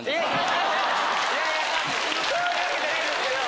いやいやそういうわけじゃないんですけど。